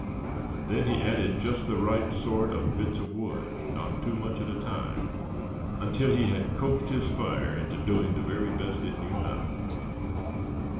Then he added just the right sort of bits of wood, not too much at a time, until he had coaxed his fire into doing the very best it knew how.